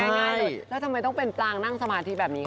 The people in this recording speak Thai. แล้วทำไมต้องเป็นปลางนั่งสมาธิแบบนี้